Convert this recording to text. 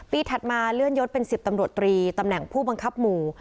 ถัดมาเลื่อนยศเป็น๑๐ตำรวจตรีตำแหน่งผู้บังคับหมู่